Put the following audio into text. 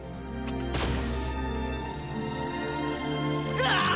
うわあっ！